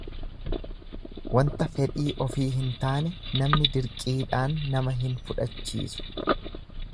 Wanta fedhii ofii hin taane namni dirqiidhaan nama hin fudhachiisu.